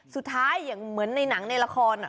สุดท้ายอย่างเหมือนในหนังในละคร